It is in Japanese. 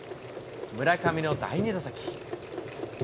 村上の第２打席。